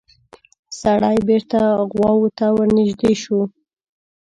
سړی بېرته غواوو ته ورنږدې شو.